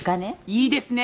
いいですね。